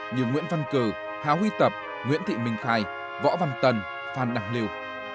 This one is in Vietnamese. như nguyễn văn cử hào huy tập nguyễn thị minh khai võ văn tân phan đăng liêu